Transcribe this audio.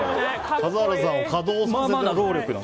笠原さんを稼働させる。